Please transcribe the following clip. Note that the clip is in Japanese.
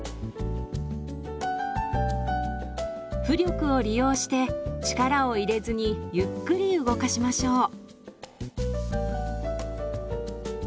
浮力を利用して力を入れずにゆっくり動かしましょう。